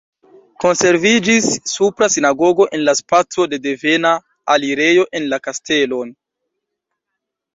Konserviĝis supra sinagogo en la spaco de devena alirejo en la kastelon.